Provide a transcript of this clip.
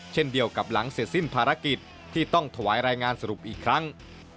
เช่นเดียวกับหลังเสร็จสิ้นภารกิจที่ต้องถวายรายงานสรุปอีกครั้ง